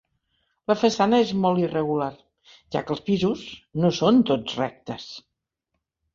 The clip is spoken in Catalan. La façana és molt irregular, ja que els pisos no són tots rectes.